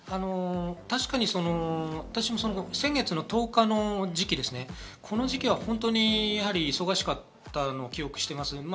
確かに私も先月の１０日の時期、この時期は本当に忙しかったと記憶しています。